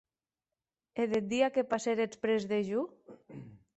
E deth dia que passéretz près de jo?